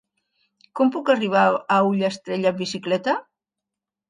Com puc arribar a Ullastrell amb bicicleta?